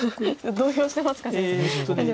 動揺してますか先生。